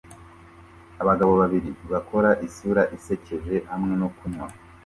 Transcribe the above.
Abagabo babiri bakora isura isekeje hamwe no kunywa